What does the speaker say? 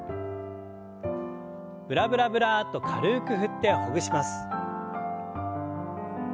ブラブラブラッと軽く振ってほぐします。